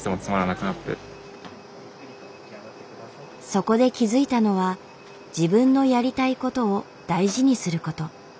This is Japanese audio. そこで気付いたのは「自分のやりたいこと」を大事にすること。